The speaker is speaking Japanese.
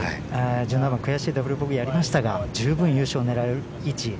１７番悔しいダブルボギーありましたが十分優勝を狙える位置